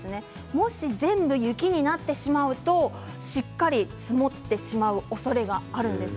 もし全部、雪になってしまうとしっかり積もってしまうおそれがあるんです。